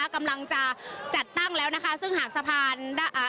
กำลังจะจัดตั้งแล้วซึ่งหากสะพาน